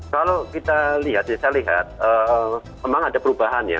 kalau kita lihat ya saya lihat memang ada perubahan ya